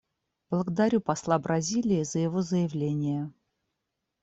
Благодарю посла Бразилии за его заявление.